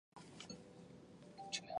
其后湖州郡丞汪泰亨所建。